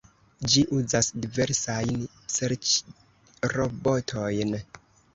Ĝi uzas diversajn serĉrobotojn.